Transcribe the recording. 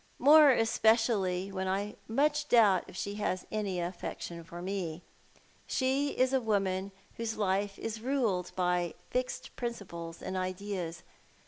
More especially when I much doubt if she has any affection for me? She is a woman whose life is ruled by fixed principles and ideas.